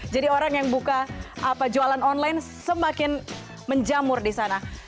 jadi orang yang buka jualan online semakin menjamur di sana